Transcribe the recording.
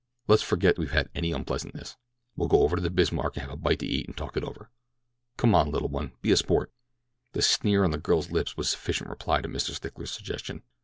Let's forget we've had any unpleasantness. We'll go over to the Bismark and have a bite to eat and talk it over. Come on, little one, be a sport!" The sneer on the girl's lip was sufficient reply to Mr. Stickler's suggestion.